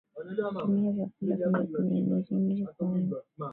tumia vyakula vyenye nyuzinyuzi kwa wingi